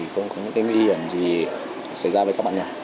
không có những y hiểm gì xảy ra với các bạn nhỏ